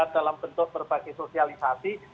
dalam bentuk berbagai sosialisasi